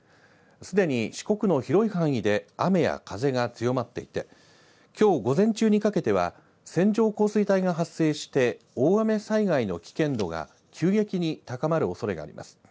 すでに四国の広い範囲で雨や風が強まっていて、きょう午前中にかけては線状降水帯が発生して、大雨災害の危険度が急激に高まるおそれがあります。